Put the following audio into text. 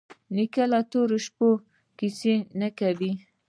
نیکه له تورې شپې نه کیسې کوي.